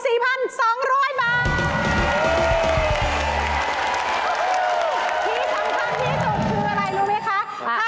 ที่สำคัญที่สุดคืออะไรรู้ไหมคะ